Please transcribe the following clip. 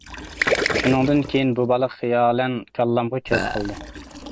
شۇنىڭدىن كىيىن بۇ بالا خىيالەن كاللامغا كىرىپ قالدى.